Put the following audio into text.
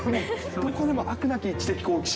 どこでもあくなき知的好奇心